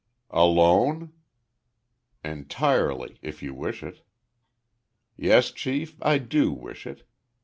"Alone?" "Entirely if you wish it." "Yes, Chief, I do wish it.